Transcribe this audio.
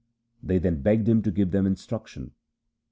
They then begged him to give them instruction.